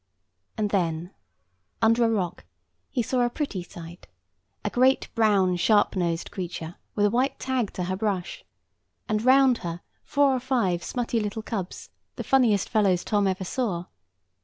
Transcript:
And then, under a rock, he saw a pretty sight—a great brown, sharp nosed creature, with a white tag to her brush, and round her four or five smutty little cubs, the funniest fellows Tom ever saw.